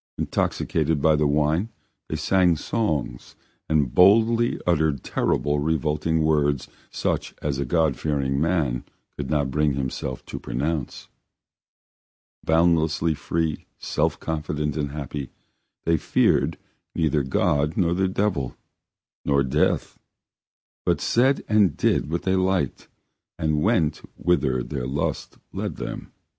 Intoxicated by the wine, they sang songs and boldly uttered terrible, revolting words such as a God fearing man could not bring himself to pronounce; boundlessly free, self confident, and happy, they feared neither God nor the devil, nor death, but said and did what they liked, and went whither their lust led them.